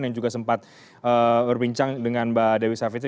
yang juga sempat berbincang dengan mbak dewi savitri